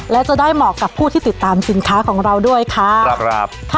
และจะได้เหมาะกับผู้ที่ติดตามสินค้าของเราด้วยค่ะครับ